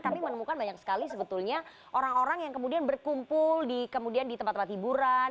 kami menemukan banyak sekali sebetulnya orang orang yang kemudian berkumpul di tempat tempat hiburan